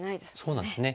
そうなんですね。